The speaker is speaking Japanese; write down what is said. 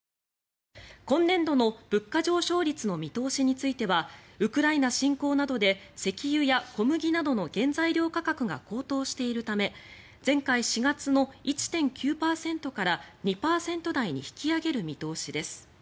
今年度の物価上昇率の見通しについてはウクライナ侵攻などで石油や小麦などの原材料価格が高騰しているため前回４月の１．９％から２％台に引き上げる見通しです。